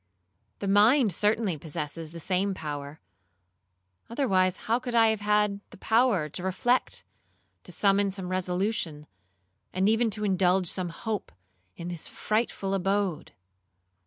The mind certainly possesses the same power, otherwise, how could I have had the power to reflect, to summon some resolution, and even to indulge some hope, in this frightful abode?